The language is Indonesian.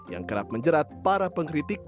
yang kerap menjerat para pengkritik